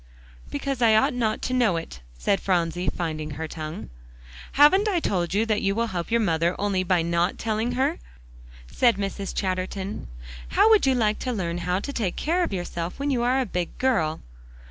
"Because I ought not to know it," said Phronsie, finding her tongue. "Haven't I told you that you will help your mother only by not telling her?" said Mrs. Chatterton. "How would you like to learn how to take care of yourself when you are a big girl?"